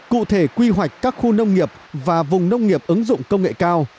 cụ thể quy hoạch các khu nông nghiệp và vùng nông nghiệp ứng dụng công nghệ cao